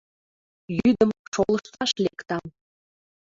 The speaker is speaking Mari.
— Йӱдым шолышташ лектам!